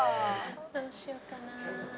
どうしようかな。